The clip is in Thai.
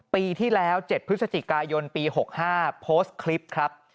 ปีที่แล้ว๗พฤศจิกายนปี๖๕โพสต์คลิปครับ